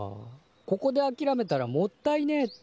ここであきらめたらもったいねえって。